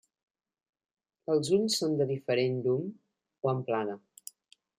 Els ulls són de diferent llum, o amplada.